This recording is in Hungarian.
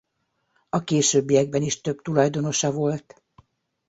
A későbbiekben is több tulajdonosa volt.